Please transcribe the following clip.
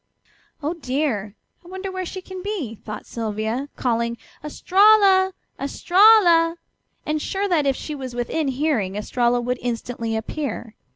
"Oh, dear! I wonder where she can be," thought Sylvia, calling "Estralla! Estralla!" and sure that if she was within hearing Estralla would instantly appear.